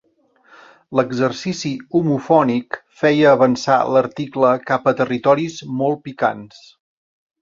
L'exercici homofònic feia avançar l'article cap a territoris molt picants.